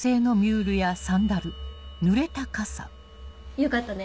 よかったね。